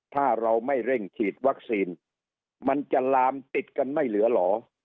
ถ้าเราไม่เร่งฉีดวัคซีนมันจะลามติดกันไม่เหลือเหรอ